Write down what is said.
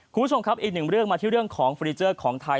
คุณผู้ชมครับอีกหนึ่งเรื่องมาที่เรื่องของฟีเจอร์ของไทย